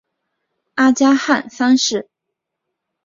阿加汗三世。